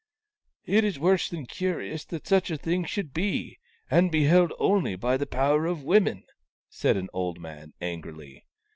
" It is worse than curious that such a thing should be, and be held only by the power of women," said an old man, angrily.